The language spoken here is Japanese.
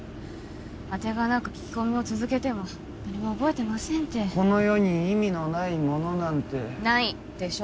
あてがなく聞き込みを続けても誰も覚えてませんてこの世に意味のないものなんてないでしょ？